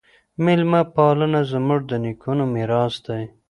میلمه پالنه زموږ د نیکونو میراث دی.